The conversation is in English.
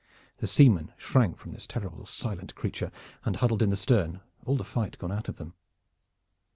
The seamen shrank from this terrible silent creature and huddled in the stern, all the fight gone out of them.